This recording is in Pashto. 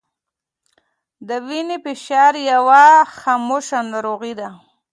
د وینې فشار یوه خاموشه ناروغي ده